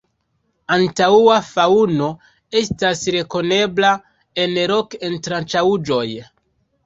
Antaŭa faŭno estas rekonebla en rok-entranĉaĵoj.